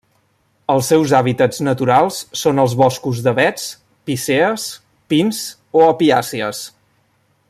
Els seus hàbitats naturals són els boscos d'avets, pícees, pins o apiàcies.